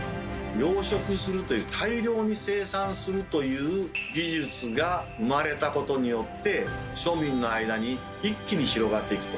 養殖するという大量に生産するという技術が生まれたことによって庶民の間に一気に広がっていくと。